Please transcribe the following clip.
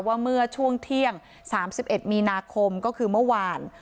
ว่าเมื่อช่วงเที่ยง๓๑มีนาคมก็คือเมื่อวาน